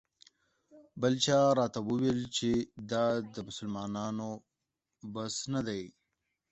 بل چا راته وویل چې دا د مسلمانانو بس نه دی.